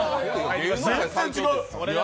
全然違う。